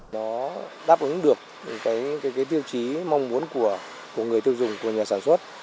nó đáp ứng được cái tiêu chí mong muốn của người tiêu dùng của nhà sản xuất